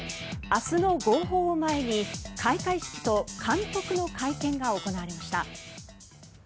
明日の号砲を前に開会式と監督の会見が行われました。